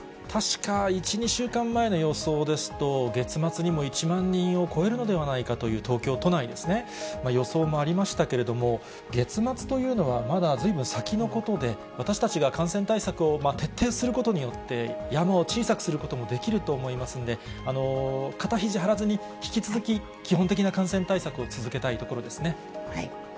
確か１、２週間前の予想ですと、月末にも１万人を超えるのではないかという東京都内ですね、予想もありましたけれども、月末というのは、まだずいぶん先のことで、私たちが感染対策を徹底することによって、山を小さくすることもできると思いますんで、肩ひじ張らずに、引き続き基本的な感染対策を続けたいところですね。